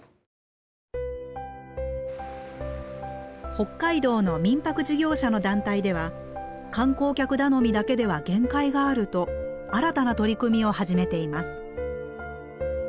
北海道の民泊事業者の団体では観光客頼みだけでは限界があると新たな取り組みを始めています。